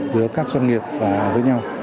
giữa các doanh nghiệp và với nhau